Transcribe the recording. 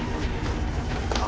あ。